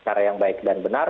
cara yang baik dan benar